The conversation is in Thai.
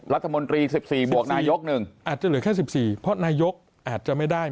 รัฐมนตรี๑๔บวกนายก๑อาจจะเหลือแค่๑๔เพราะนายกอาจจะไม่ได้